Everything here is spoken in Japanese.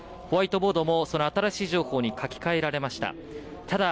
ホワイトボードもその新しい情報に書き換えられました。